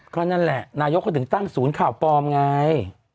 ก็นั่นแหละนายกเขาถึงตั้งศูนย์ข่าวปลอมไง